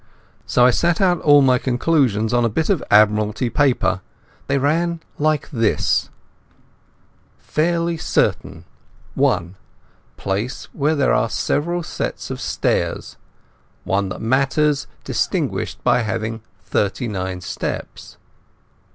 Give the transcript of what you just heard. So I set out all my conclusions on a bit of Admiralty paper. They ran like this: FAIRLY CERTAIN. (1) Place where there are several sets of stairs; one that matters distinguished by having thirty nine steps.